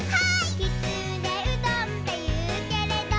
「きつねうどんっていうけれど」